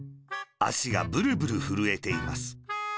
あしがブルブルふるえています。